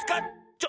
ちょ。